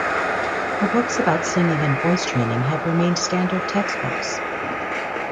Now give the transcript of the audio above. Her books about singing and voice training have remained standard textbooks.